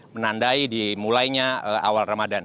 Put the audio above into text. menandai di mulainya awal ramadan